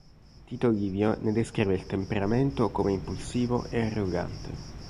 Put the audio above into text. Tito Livio ne descrive il temperamento come impulsivo e arrogante.